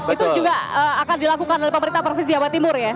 itu juga akan dilakukan oleh pemerintah provinsi jawa timur ya